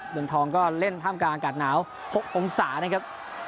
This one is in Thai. เมืองทองก็เล่นท่ามกลางอากาศหนาว๖องศานะครับ